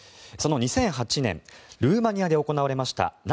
その２００８年ルーマニアで行われました